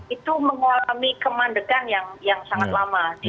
itu mengalami kemandegan yang sangat lama